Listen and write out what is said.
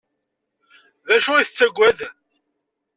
D acu ay tettaggad?